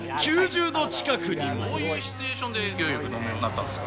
どういうシチュエーションで勢いよく飲むようになったんですか。